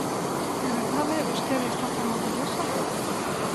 ¿De verdade vostede está tan orgullosa?